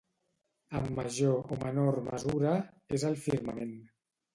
En major o menor mesura, és al firmament.